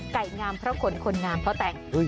ไก่งามเพราะขนคนงามเพราะแต่ง